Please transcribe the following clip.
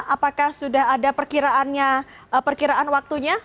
apakah sudah ada perkiraan waktunya